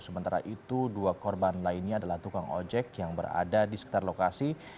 sementara itu dua korban lainnya adalah tukang ojek yang berada di sekitar lokasi